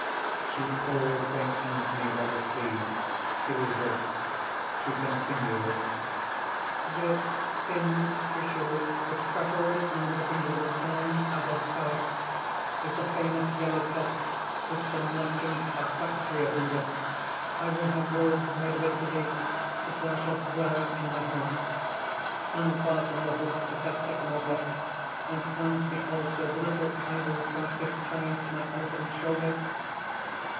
(She pulls Saint Anthony by the sleeve. He resists. She continues:) "This thin tissue which crackles under the finger with a sound as of sparks, is the famous yellow cloth which the merchants of Bactria bring us. I will have robes made of it for thee, which thou shalt wear in the house. Unfasten the hooks of that sycamore box, and hand me also the little ivory casket tied to my elephant's shoulder."